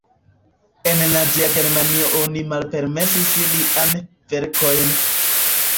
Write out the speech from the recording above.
En Nazia Germanio oni malpermesis liajn verkojn.